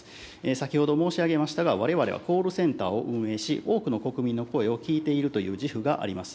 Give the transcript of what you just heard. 先ほど申し上げましたが、われわれはコールセンターを運営し、多くの国民の声を聞いているという自負があります。